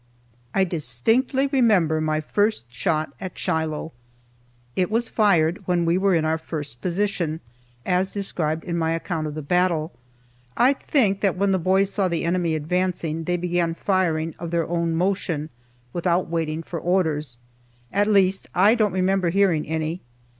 I distinctly remember my first shot at Shiloh. It was fired when we were in our first position, as described in my account of the battle. I think that when the boys saw the enemy advancing they began firing of their own motion, without waiting for orders. At least, I don't remember hearing any.